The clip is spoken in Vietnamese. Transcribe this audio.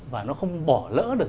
và nó không bỏ lỡ được